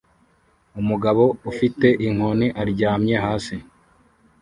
Umugabo ufite inkoni aryamye hasi